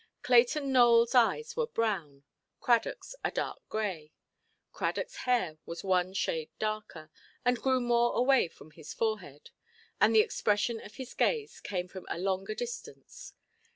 Clayton Nowellʼs eyes were brown, Cradockʼs a dark grey; Cradockʼs hair was one shade darker, and grew more away from his forehead, and the expression of his gaze came from a longer distance.